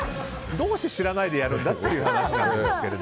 どうして知らないんでやるんだって話なんですけど。